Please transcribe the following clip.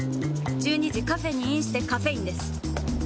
１２時カフェにインしてカフェインです！